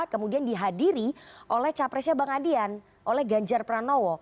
kemudian dihadiri oleh capresnya bang adian oleh ganjar pranowo